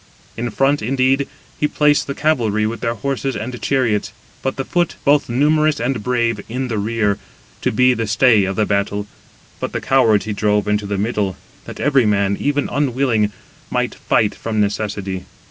In front, indeed, he placed the cavalry 183 with their horses and chariots, but the foot, both numerous and brave, in the rear, to be the stay of the battle; but the cowards he drove into the middle, that every man, even unwilling, might fight from necessity.